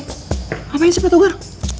ngapain sih patogar